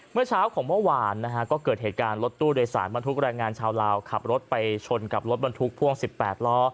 เมื่อเช้าของเมื่อวานนะฮะก็เกิดเหตุการณ์รถตู้โดยสารบรรทุกแรงงานชาวลาวขับรถไปชนกับรถบรรทุกพ่วง๑๘ล้อ